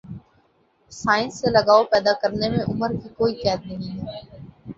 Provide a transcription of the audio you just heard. science سے لگاؤ پیدا کرنے میں عمر کی کوئی قید نہیں ہے